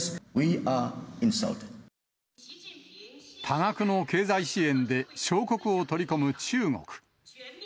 多額の経済支援で、小国を取り込む中国。